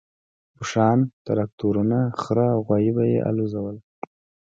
اوښان، تراکتورونه، خره او غوایي به یې الوزول.